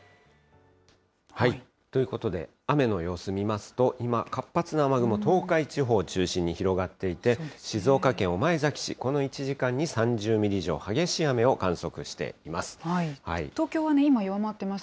ということで、雨の様子見ますと、今、活発な雨雲、東海地方を中心に広がっていて、静岡県御前崎市、この１時間に３０ミリ以上、激しい雨を観測しています。